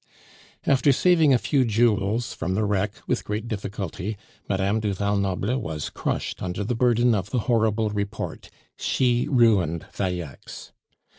After saving a few jewels from the wreck with great difficulty, Madame du Val Noble was crushed under the burden of the horrible report: "She ruined Falleix."